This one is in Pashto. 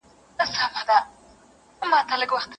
ما ته معلومه سوي وه چي هغه د څيړني شعور لري.